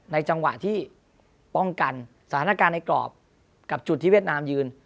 จังหวะที่ป้องกันสถานการณ์ในกรอบกับจุดที่เวียดนามยืน